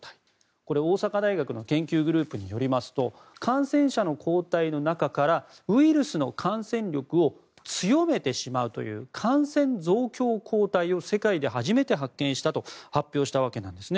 これは、大阪大学の研究グループによりますと感染者の抗体の中からウイルスの感染力を強めてしまうという感染増強抗体を世界で初めて発見したと発表したわけなんですね。